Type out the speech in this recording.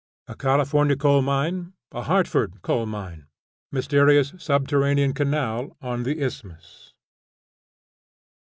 A CALIFORNIA COAL MINE. A HARTFORD COAL MINE. MYSTERIOUS SUBTERRANEAN CANAL ON THE ISTHMUS.